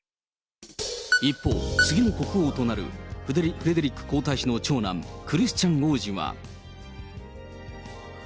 一方、次の国王となるフレデリック皇太子の長男、クリスチャン王子は。